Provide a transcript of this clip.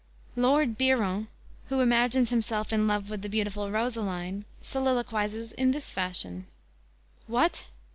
"_ Lord Biron, who imagines himself in love with the beautiful Rosaline, soliloquizes in this fashion: _"What?